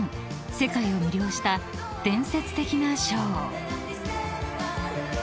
世界を魅了した伝説的なショー］